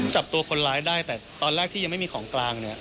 จับตัวคนร้ายได้แต่ตอนแรกที่ยังไม่มีของกลางเนี่ย